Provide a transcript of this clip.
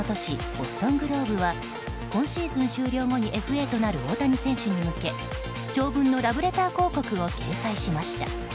ボストン・グローブは今シーズン終了後にＦＡとなる大谷選手に向け長文のラブレター広告を掲載しました。